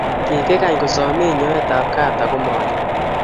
Kikikany kosomech nyoetab kaat aku manyo